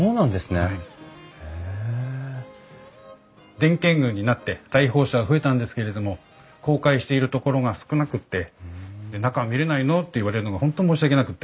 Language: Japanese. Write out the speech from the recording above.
伝建群になって来訪者が増えたんですけれども公開しているところが少なくって「中は見れないの？」って言われるのが本当申し訳なくって。